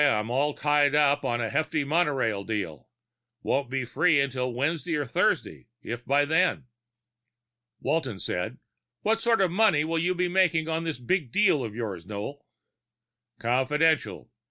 I'm all tied up on a hefty monorail deal. Won't be free until Wednesday or Thursday, if by then." Walton said, "What sort of money will you be making on this big deal of yours, Noel?" "Confidential!